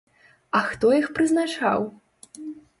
А хто іх прызначаў?